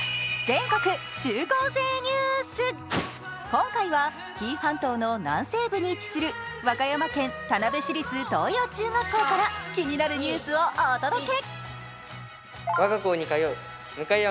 今回は、紀伊半島の南西部に位置する和歌山県田辺市立東陽中学校から気になるニュースをお届け。